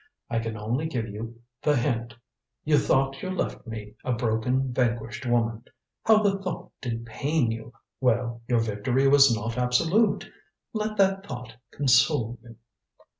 I can only give you the hint. You thought you left me a broken vanquished woman. How the thought did pain you! Well, your victory was not absolute. Let that thought console you."